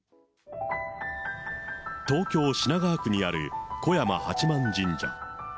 東京・品川区にある小山八幡神社。